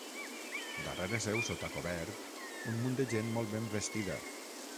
Darrere seu, sota cobert, un munt de gent molt ben vestida.